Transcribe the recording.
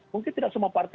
mungkin tidak semua partai